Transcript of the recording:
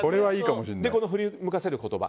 そして振り向かせる言葉